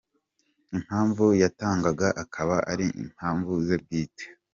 Impamvu yatangaga akaba ari impamvu ze bwite.